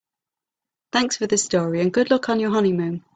Thanks for the story and good luck on your honeymoon.